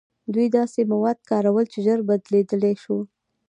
دوی داسې مواد کارول چې ژر بدلیدلی شول.